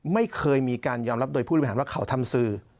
ไม่เคยมีการยอมรับโดยผู้บริหารว่าเขาทำสื่อ